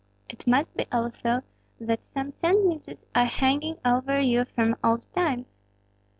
It must be, also, that some sentences are hanging over you from old times?"